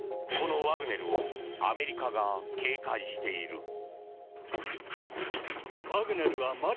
このワグネルをアメリカが警戒している。